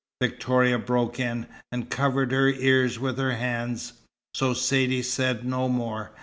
Victoria broke in, and covered her ears with her hands. So Saidee said no more.